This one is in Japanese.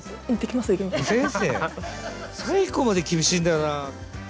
最後まで厳しいんだよな。